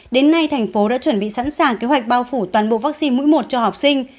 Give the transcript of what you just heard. đến nay thành phố đã chuẩn bị sẵn sàng kế hoạch bao phủ toàn bộ vaccine mũi một cho học sinh